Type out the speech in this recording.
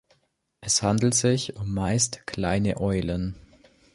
Es handelt sich um meist kleine Eulen.